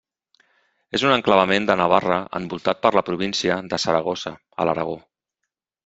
És un enclavament de Navarra, envoltat per la província de Saragossa, a l'Aragó.